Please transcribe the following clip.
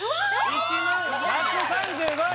１０１３５円